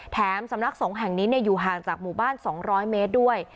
สำนักสงฆ์แห่งนี้อยู่ห่างจากหมู่บ้าน๒๐๐เมตรด้วย